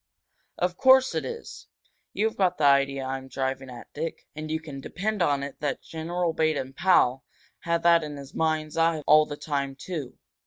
"Of course it is! You've got the idea I'm driving at, Dick. And you can depend on it that General Baden Powell had that in his mind's eye all the time, too.